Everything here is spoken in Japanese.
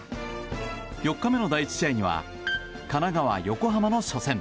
４日目の第１試合には神奈川・横浜の初戦。